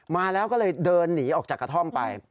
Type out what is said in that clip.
มาแล้วก็เลยเดินหนีออกจากกระท่อมไป